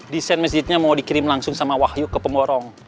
desain masjidnya mau dikirim langsung sama wahyu ke pemorong